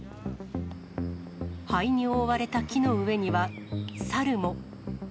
灰に覆われた木の上には、猿も。